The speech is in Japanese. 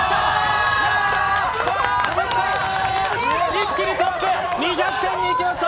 一気にトップ、２００点にいきました！